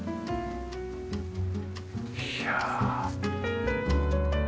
いや。